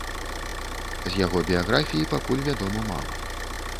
З яго біяграфіі пакуль вядома мала.